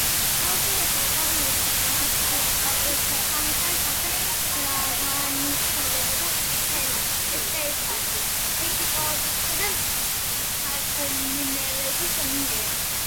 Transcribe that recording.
თავისუფლების მოყვარული და მაცდური სუსანას სახე განიხილებოდა პრესაში კრიტიკოსებისა და მთარგმნელების მიერ.